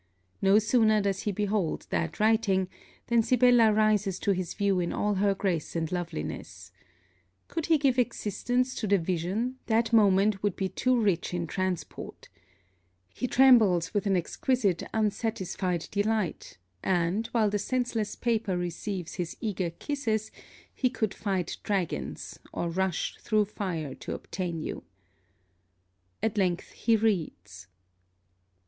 No sooner does he behold that writing, than Sibella rises to his view in all her grace and loveliness. Could he give existence to the vision, that moment would be too rich in transport. He trembles with an exquisite unsatisfied delight: and, while the senseless paper receives his eager kisses, he could fight dragons, or rush through fire to obtain you. At length he reads.